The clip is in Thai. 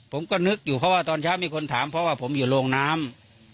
ผมก็นึกอยู่เพราะว่าตอนเช้ามีคนถามเพราะว่าผมอยู่โรงน้ำ